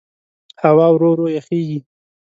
هوا ورو ورو یخېږي.